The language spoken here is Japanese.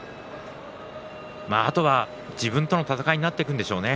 あとは自分との闘いになってくるんでしょうね。